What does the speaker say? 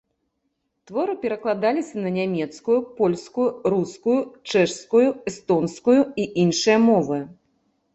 Творы перакладаліся на нямецкую, польскую, рускую, чэшскую, эстонскую і іншыя мовы.